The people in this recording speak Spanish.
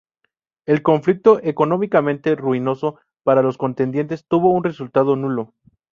El conflicto, económicamente ruinoso para los contendientes, tuvo un resultado nulo.